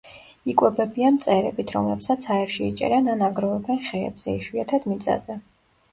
იკვებებიან მწერებით, რომლებსაც ჰაერში იჭერენ ან აგროვებენ ხეებზე, იშვიათად მიწაზე.